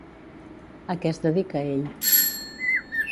A què es dedica ell?